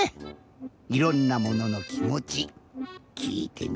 いろんなもののきもちきいてみたいよね。